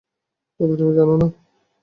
তবে তুমি জান না?